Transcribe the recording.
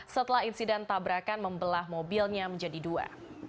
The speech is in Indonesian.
setelah insiden tabrakan membelah mobilnya menjadi dua